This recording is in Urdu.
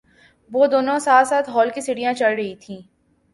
وہ دونوں ساتھ ساتھ ہال کی سٹر ھیاں چڑھ رہی تھیں